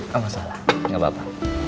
gak masalah gak apa apa